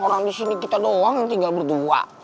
orang di sini kita doang yang tinggal berdua